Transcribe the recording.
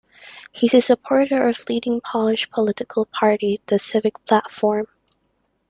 He is a supporter of leading Polish political party, the Civic Platform.